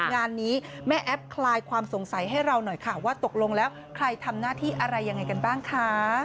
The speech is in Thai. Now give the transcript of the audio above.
งานนี้แม่แอฟคลายความสงสัยให้เราหน่อยค่ะว่าตกลงแล้วใครทำหน้าที่อะไรยังไงกันบ้างคะ